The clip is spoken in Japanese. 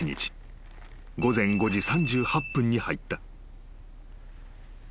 ［午前５時３８分に入った］